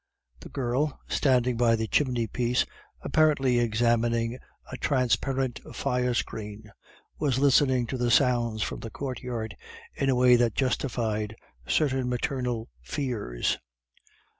The girl, standing by the chimney piece, apparently examining a transparent fire screen, was listening to the sounds from the courtyard in a way that justified certain maternal fears.